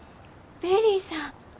ベリーさん。